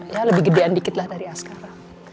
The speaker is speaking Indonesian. ya lebih gedean dikit lah dari sekarang